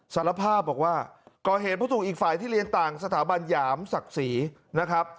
สารภาพบอกว่าก่อเหตุเพราะถูกอีกฝ่ายที่เรียนต่างสถาบันหยามศักดิ์ศรีนะครับ